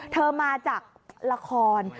เธอมาจากหลักฮอร์น